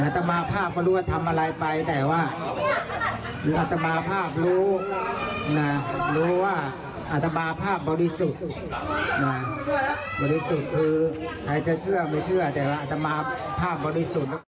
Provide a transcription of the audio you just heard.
แต่ละจะมาภาพบริสุทธิ์